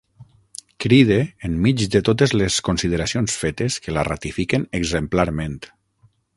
Cride enmig de totes les consideracions fetes que la ratifiquen exemplarment.